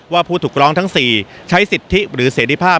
ผู้ถูกร้องทั้ง๔ใช้สิทธิหรือเสรีภาพ